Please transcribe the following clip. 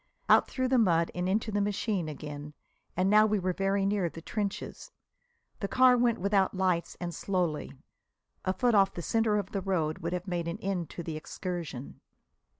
Out through the mud and into the machine again. And now we were very near the trenches. The car went without lights and slowly. A foot off the centre of the road would have made an end to the excursion.